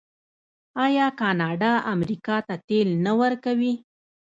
آیا کاناډا امریکا ته تیل نه ورکوي؟